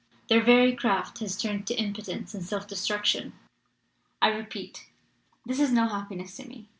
Their very craft has turned to impotence and self destruction. I repeat, this is no happiness to me.